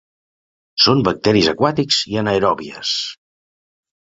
Són bacteris aquàtics i anaeròbies.